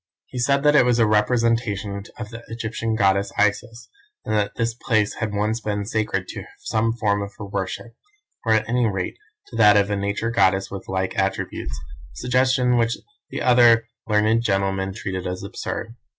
"He said that it was a representation of the Egyptian goddess, Isis, and that this place had once been sacred to some form of her worship, or at any rate to that of a Nature goddess with like attributes, a suggestion which the other learned gentlemen treated as absurd.